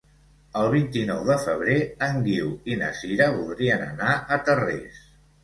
El vint-i-nou de febrer en Guiu i na Sira voldrien anar a Tarrés.